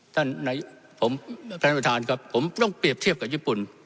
ท่านประธานครับผมต้องเปรียบเทียบกับญี่ปุ่น